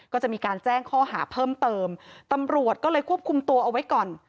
ก็จะมีการแจ้งข้อหาเพิ่มเติมตำรวจก็เลยควบคุมตัวเอาไว้ก่อน